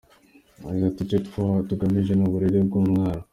Yagize ati : “icyo tugamije ni uburere bw’umwana.